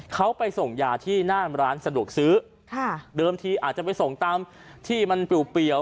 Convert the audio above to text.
เขาไปส่งยาที่หน้าร้านสะดวกซื้อค่ะเดิมทีอาจจะไปส่งตามที่มันเปรียว